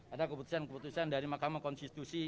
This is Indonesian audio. ada keputusan keputusan dari mahkamah konstitusi